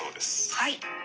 はい。